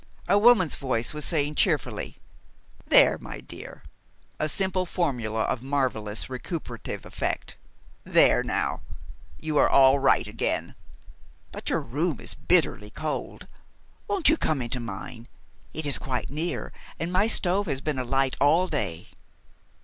A woman's voice was saying cheerfully, "There, my dear!" a simple formula of marvelous recuperative effect, "there now! You are all right again. But your room is bitterly cold. Won't you come into mine? It is quite near, and my stove has been alight all day."